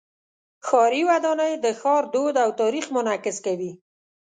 ښاري ودانۍ د ښار دود او تاریخ منعکس کوي.